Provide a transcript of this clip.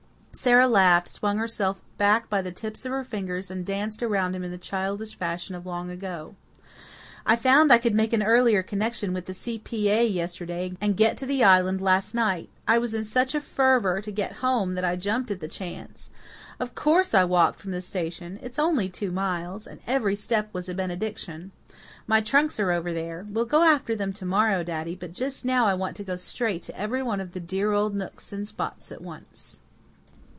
Sara laughed, swung herself back by the tips of her fingers and danced around him in the childish fashion of long ago. "I found I could make an earlier connection with the C.P.A. yesterday and get to the Island last night. I was in such a fever to get home that I jumped at the chance. Of course I walked from the station it's only two miles and every step was a benediction. My trunks are over there. We'll go after them to morrow, daddy, but just now I want to go straight to every one of the dear old nooks and spots at once."